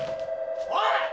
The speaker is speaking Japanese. おい！